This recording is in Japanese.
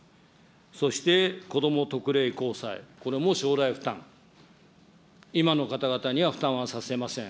そしてこども特例公債、これも将来負担、今の方々には負担はさせません。